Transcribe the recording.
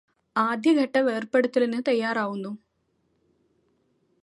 ആദ്യ ഘട്ട വേർപ്പെടുത്തലിനു തയാറാവുന്നു